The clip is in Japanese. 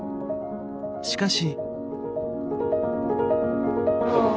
しかし。